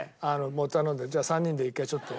頼んでじゃあ３人で一回ちょっと。